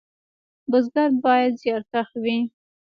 بزګر باید زیارکښ وي